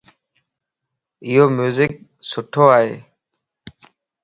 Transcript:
ايو ميوزڪ سٺو ائي